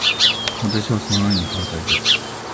私は、その案に反対です。